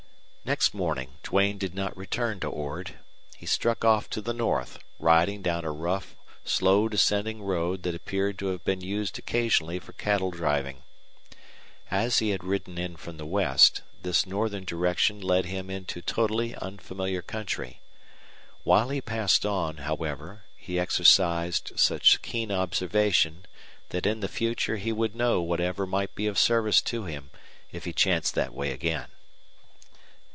Next morning Duane did not return to Ord. He struck off to the north, riding down a rough, slow descending road that appeared to have been used occasionally for cattle driving. As he had ridden in from the west, this northern direction led him into totally unfamiliar country. While he passed on, however, he exercised such keen observation that in the future he would know whatever might be of service to him if he chanced that way again.